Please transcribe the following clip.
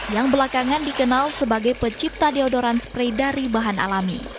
yang belakangan dikenal sebagai pecipta deodoran spray dari bahan alami